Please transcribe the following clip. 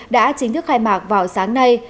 đã chính thức khai mạc vào sáng nay